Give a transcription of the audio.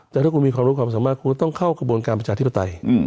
แต่ถ้าคุณมีความรู้ความสามารถคุณต้องเข้ากระบวนการประชาธิปไตย